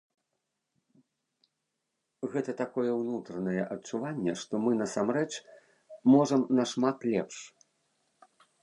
Гэта такое ўнутранае адчуванне, што мы насамрэч можам нашмат лепш.